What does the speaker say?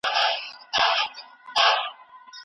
هغه پلان چي نيمګړتيا لري، بېرته يې وڅېړئ.